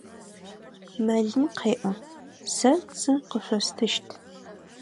Мэлым къеӏо: Сэ цы къышъостыщт.